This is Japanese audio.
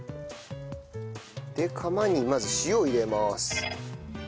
で釜にまず塩を入れます。